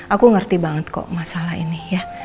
aku ngerti banget kok masalah ini ya